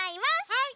はい！